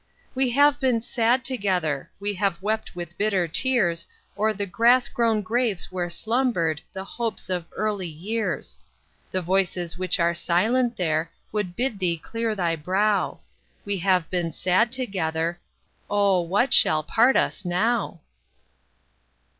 We have been sad together; We have wept with bitter tears O'er the grass grown graves where slumbered The hopes of early years. The voices which are silent there Would bid thee clear thy brow; We have been sad together. Oh, what shall part us now?